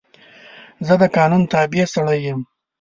زه د قانون تابع سړی یم.